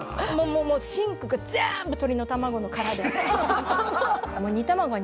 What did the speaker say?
シンクが全部鶏の卵の殻で。